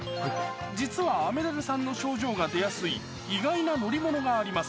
実は雨ダルさんの症状が出やすい意外な乗り物があります。